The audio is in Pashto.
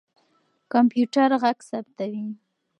کمپيوټر ږغ ثبتوي.